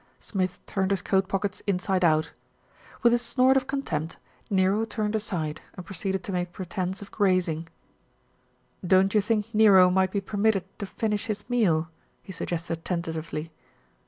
Smith turned his coat pockets inside out. With a snort of contempt, Nero turned aside and proceeded to make pretence of grazing. "Don't you think Nero might be permitted to finish his meal?" he suggested tentatively.